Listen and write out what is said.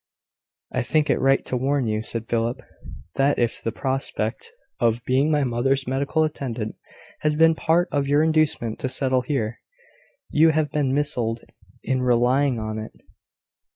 "I think it right to warn you," said Philip, "that if the prospect of being my mother's medical attendant has been part of your inducement to settle here, you have been misled in relying on it.